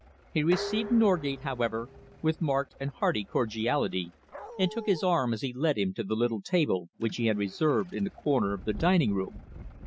He received Norgate, however, with marked and hearty cordiality, and took his arm as he led him to the little table which he had reserved in a corner of the dining room.